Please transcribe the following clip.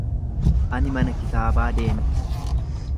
Ani mana kitaabaa deeme.